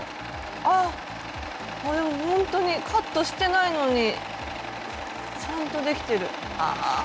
ああほんとにカットしてないのにちゃんとできてる。